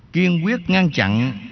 kiên quyết ngăn chặn